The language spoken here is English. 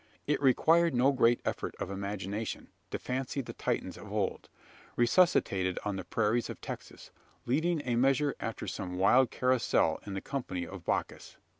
It required no great effort of imagination, to fancy the Titans of old, resuscitated on the prairies of Texas, leading a measure after some wild carousal in the company of Bacchus!